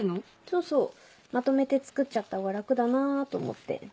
そうそうまとめて作っちゃったほうが楽だなと思って。